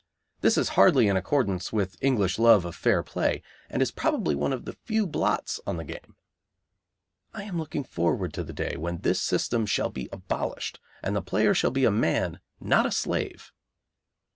This is hardly in accordance with English love of fair play, and is probably one of the few blots on the game. I am looking forward to the day when this system shall be abolished, and the player shall be a man, not a slave.